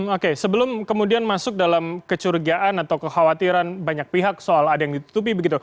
oke sebelum kemudian masuk dalam kecurigaan atau kekhawatiran banyak pihak soal ada yang ditutupi begitu